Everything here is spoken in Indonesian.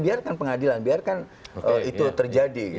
biarkan pengadilan biarkan itu terjadi